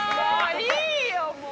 いいよもう。